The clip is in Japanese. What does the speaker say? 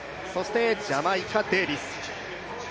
ジャマイカ、デービス。